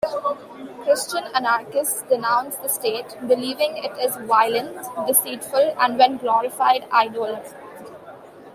Christian anarchists denounce the state, believing it is violent, deceitful and, when glorified, idolatrous.